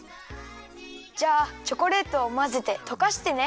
じゃあチョコレートをまぜてとかしてね。